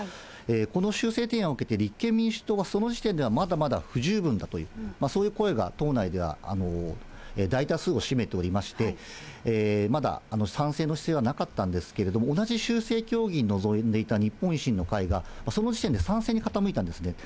この修正提案を受けて、立憲民主党はその時点ではまだまだ不十分だという、そういう声が党内では大多数を占めておりまして、まだ賛成の姿勢はなかったんですけれども、同じ修正協議に臨んでいた日本維新の会が、その時点で賛成に傾いたんですね。